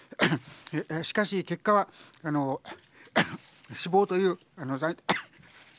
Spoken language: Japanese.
しかし結果は死亡という。